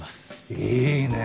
いいね。